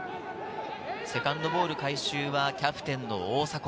セカンドボール回収はキャプテンの大迫。